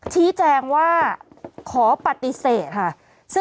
ชี้แจงว่าขอปฏิเสธค่ะ